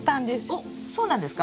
おっそうなんですか？